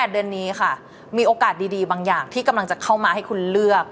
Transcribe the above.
เดือนนี้ค่ะมีโอกาสดีบางอย่างที่กำลังจะเข้ามาให้คุณเลือก